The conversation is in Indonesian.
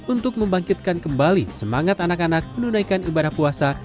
untuk membangkitkan kembali semangat anak anak menunaikan ibadah puasa